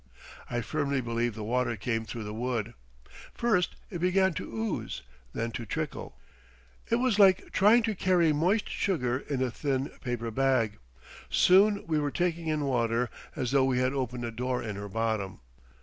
I firmly believe the water came through the wood. First it began to ooze, then to trickle. It was like trying to carry moist sugar in a thin paper bag. Soon we were taking in water as though we had opened a door in her bottom.